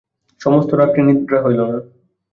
সমস্ত রাত্রি নিদ্রা হইল না।